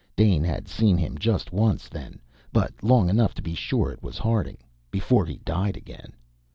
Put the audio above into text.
Dane had seen him just once then but long enough to be sure it was Harding before he died again.